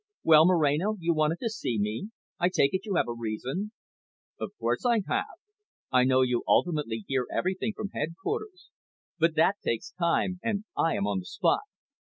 "Well, Moreno, you wanted to see me. I take it, you have a reason?" "Of course I have. I know you ultimately hear everything from headquarters. But that takes time, and I am on the spot."